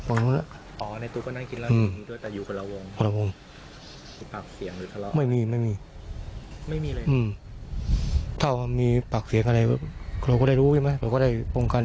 ทำยังไงครับตรงนั้นคือเดินมายิงไม่ได้เลยเลยผมก็ไม่เห็นน่ะผม